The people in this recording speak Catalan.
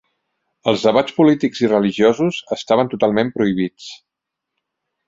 Els debats polítics i religiosos estaven totalment prohibits.